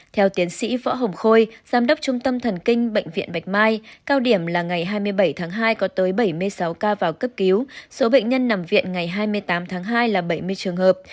theo tiến sĩ võ hồng khôi giám đốc trung tâm thần kinh bệnh viện bạch mai cao điểm là ngày hai mươi bảy tháng hai có tới bảy mươi sáu ca vào cấp cứu số bệnh nhân nằm viện ngày hai mươi tám tháng hai là bảy mươi trường hợp